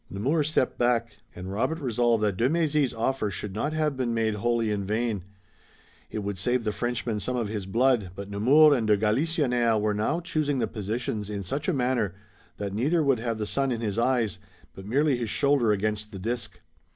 Nemours stepped back, and Robert resolved that de Mézy's offer should not have been made wholly in vain. It would save the Frenchman some of his blood, but Nemours and de Galisonnière were now choosing the positions in such a manner that neither would have the sun in his eyes but merely his shoulder against the disc.